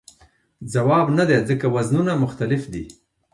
ځواب نه دی ځکه وزنونه مختلف دي.